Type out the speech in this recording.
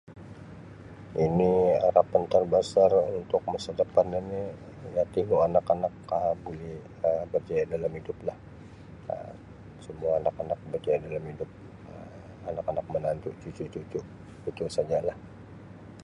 Ini harapan terbesar untuk masa depan ini tingu anak-anak Um buli Um berjaya dalam hidup lah Um semua anak-anak berjaya dalam hidup Um anak-anak menantu cucu-cucu itu sajalah.